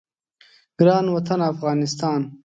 ګران وطن افغانستان